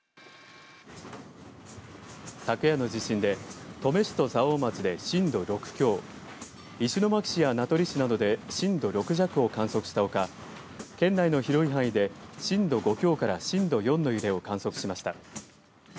昨夜の地震で、登米市と蔵王町で震度６強石巻市や名取市などで震度６弱を観測したほか県内の広い範囲で震度５強から震度４の揺れを観測しました。